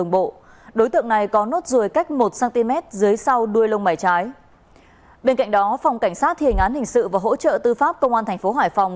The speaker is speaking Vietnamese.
bên cạnh đó phòng cảnh sát thi hình án hình sự và hỗ trợ tư pháp công an tp hải phòng